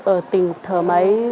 ở tỉnh thở máy